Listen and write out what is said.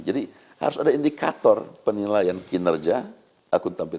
jadi harus ada indikator penilaian kinerja yang terbaik